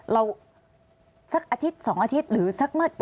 สักอาทิตย์๒อาทิตย์หรือสักเมื่อ